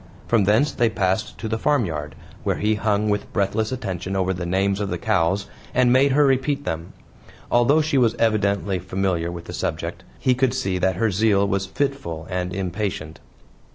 From thence they passed to the farmyard, where he hung with breathless attention over the names of the cows and made her repeat them. Although she was evidently familiar with the subject, he could see that her zeal was fitful and impatient.